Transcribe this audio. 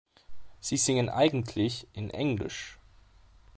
Sie singen "eigentlich" in englisch.